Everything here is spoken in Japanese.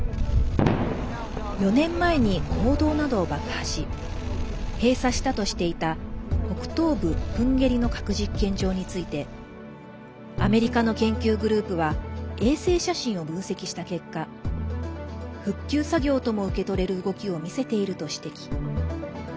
４年前に坑道などを爆破し閉鎖したとしていた北東部プンゲリの核実験場についてアメリカの研究グループは衛星写真を分析した結果復旧作業とも受け取れる動きを見せていると指摘。